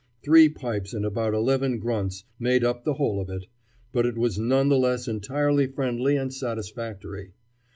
Three pipes and about eleven grunts made up the whole of it, but it was none the less entirely friendly and satisfactory.